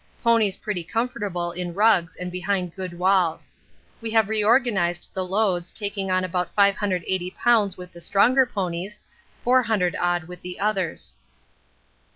Ponies pretty comfortable in rugs and behind good walls. We have reorganised the loads, taking on about 580 lbs. with the stronger ponies, 400 odd with the others.